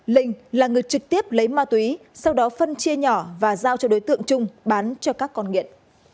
linh là người trực tiếp lấy ma túy sau đó phân chia nhỏ và giao cho đối tượng trung bán cho các con nghiện